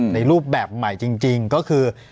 รูปแบบใหม่จริงก็คือ